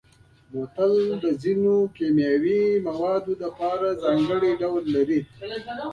بوتل د ځینو کیمیاوي موادو لپاره ځانګړی ډول لري.